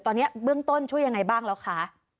ตอนนี้เบื้องต้นช่วยยังไงบ้างแล้วคะ